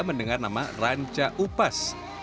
mendengar nama ranca upas